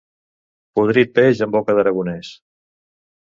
Podrit peix en boca d'aragonès.